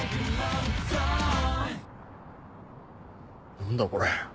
何だこれ。